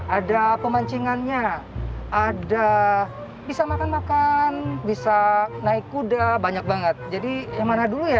ada pemancingannya ada bisa makan makan bisa naik kuda banyak banget jadi yang mana dulu ya